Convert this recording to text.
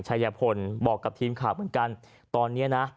ชายพลบอกกับทีมข่าวเหมือนกันตอนนี้นะ